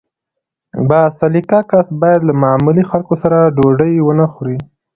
با سلیقه کس باید له معمولي خلکو سره ډوډۍ ونه خوري.